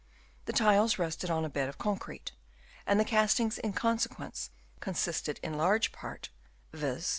The tiles rested on a bed of concrete, and the castings in consequence con sisted in large part (viz.